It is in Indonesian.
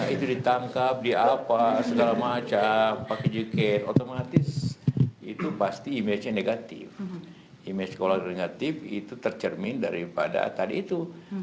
image yang negatif image kolagrenatif itu tercermin daripada tadi itu